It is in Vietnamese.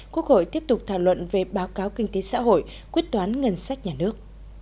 quốc hội tiếp tục thảo luận về báo cáo kinh tế xã hội quyết toán ngân sách nhà nước